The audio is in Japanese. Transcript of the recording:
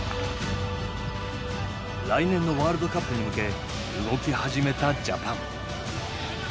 来年のワールドカップに向け動き始めたジャパン。